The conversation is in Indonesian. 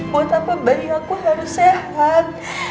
buat apa beri aku harus sehat